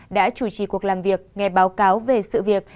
đã chủ trì cuộc làm việc nghe báo cáo về sự việc